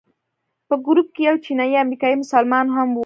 په ګروپ کې یو چینایي امریکایي مسلمان هم و.